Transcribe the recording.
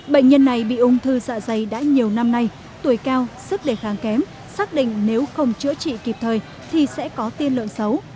bệnh nhân này bị ung thư dạ dày đã nhiều năm nay tuổi cao sức đề kháng kém xác định nếu không chữa trị kịp thời thì sẽ có tiên lượng xấu